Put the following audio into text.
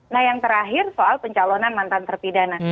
nah yang terakhir soal pencalonan mantan terpidana